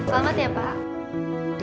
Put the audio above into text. selamat ya pak